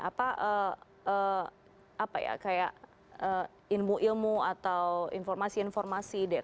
apa ya kayak ilmu ilmu atau informasi informasi